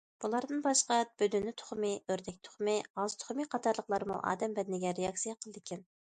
بۇلاردىن باشقا بۆدۈنە تۇخۇمى، ئۆردەك تۇخۇمى، غاز تۇخۇمى قاتارلىقلارمۇ ئادەم بەدىنىگە رېئاكسىيە قىلىدىكەن.